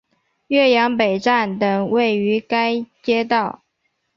岳阳北站等位于该街道。